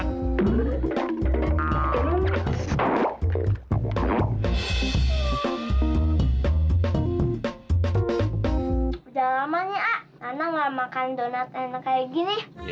udah lama nih ah anak gak makan donat enak kayak gini